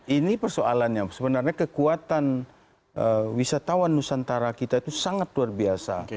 ini persoalannya sebenarnya kekuatan wisatawan nusantara kita itu sangat luar biasa